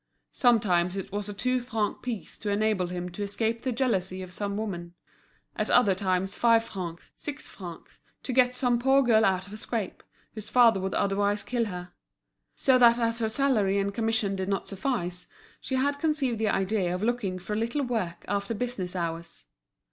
Sometimes it was a two franc piece to enable him to escape the jealousy of some woman; at other times five francs, six francs, to get some poor girl out of a scrape, whose father would otherwise kill her. So that as her salary and commission did not suffice, she had conceived the idea of looking for a little work after business hours.